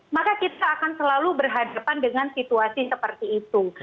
maka kita akan selalu berhadapan dengan situasi seperti itu